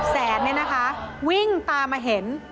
แสนเนี่ยนะคะวิ่งตามมาเห็น